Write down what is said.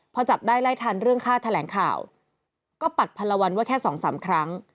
พอจับได้ไล่ทันเรื่องค่าแถลงข่าวก็ปัดพันละวันว่าแค่สองสามครั้ง